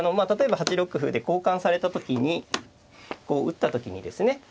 例えば８六歩で交換された時に打った時にですね